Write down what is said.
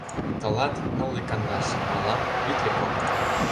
Тылат — нылле кандаше, мылам — витле кокыт.